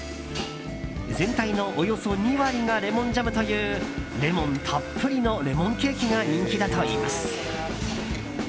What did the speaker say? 全体のおよそ２割がレモンジャムというレモンたっぷりのレモンケーキが人気だといいます。